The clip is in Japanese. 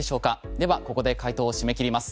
ではここで回答を締め切ります。